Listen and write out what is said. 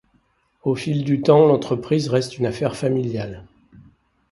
Au fil du temps, l'entreprise reste une affaire familiale.